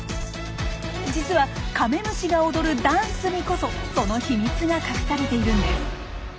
実はカメムシが踊るダンスにこそその秘密が隠されているんです。